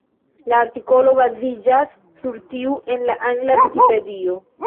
La artikolo baziĝas sur tiu en la angla Vikipedio.